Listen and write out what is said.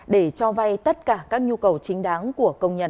để cho vay tất cả các nhu cầu chính đáng của công nhân